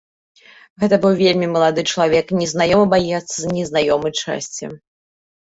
Гэта быў вельмі малады чалавек, незнаёмы баец з незнаёмай часці.